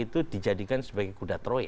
itu dijadikan sebagai kuda troy